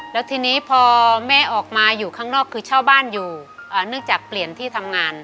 แล้วทีนี้พอแม่ออกมาอยู่ข้างนอกคือเช่าบ้านอยู่เนื่องจากเปลี่ยนที่ทำงาน